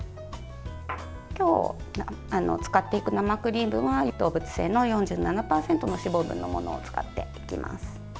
今日使っていく生クリームは動物性の４７％の脂肪分のものを使っていきます。